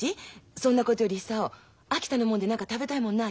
そんなことより久男秋田のもので何か食べたいものない？